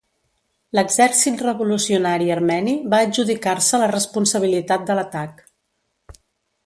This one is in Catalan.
L'Exèrcit Revolucionari Armeni va adjudicar-se la responsabilitat de l'atac.